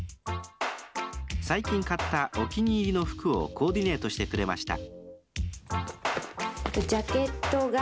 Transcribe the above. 最近買ったお気に入りの服をコーディネートしてくれました。